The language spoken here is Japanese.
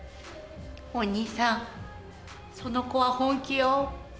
お兄さんその子は本気よ。